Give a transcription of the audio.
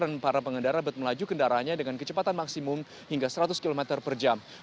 dan para pengendara berlaju kendaraannya dengan kecepatan maksimum hingga seratus km per jam